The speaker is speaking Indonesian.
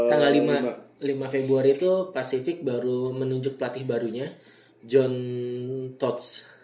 tanggal lima februari itu pasifik baru menunjuk pelatih barunya john tods